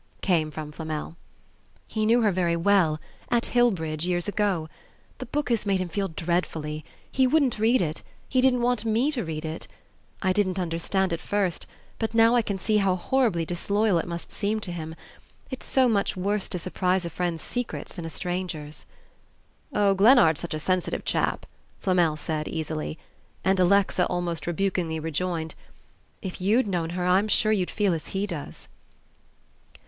came from Flamel. "He knew her very well, at Hillbridge, years ago. The book has made him feel dreadfully... he wouldn't read it... he didn't want me to read it. I didn't understand at first, but now I can see how horribly disloyal it must seem to him. It's so much worse to surprise a friend's secrets than a stranger's." "Oh, Glennard's such a sensitive chap," Flamel said, easily; and Alexa almost rebukingly rejoined, "If you'd known her I'm sure you'd feel as he does...."